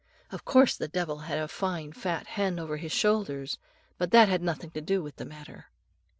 Of course the devil had a fine fat hen over his shoulders, but that had nothing to do with the matter.